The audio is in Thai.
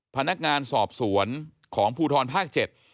พนักงานสอบสวนของภูทรภาค๗